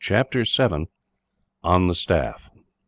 Chapter 7: On The Staff.